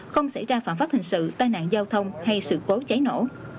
không xảy ra phạm pháp hình sự tai nạn giao thông hay sự cố cháy nổ